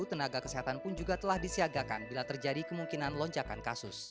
tenaga kesehatan pun juga telah disiagakan bila terjadi kemungkinan lonjakan kasus